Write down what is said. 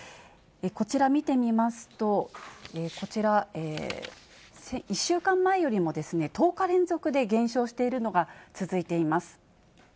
こちら見てみますと、こちら、１週間前より、１０日連続で減少しているのが続いています。